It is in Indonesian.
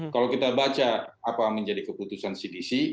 kalau kita baca apa menjadi keputusan cdc